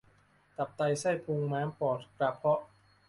ตับไตไส้พุง ม้าม ปอด กระเพาะ